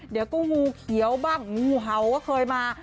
เดี๋ยวก็งูเขียวบ้างงูเห่าก็เคยมา